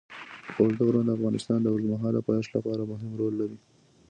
اوږده غرونه د افغانستان د اوږدمهاله پایښت لپاره مهم رول لري.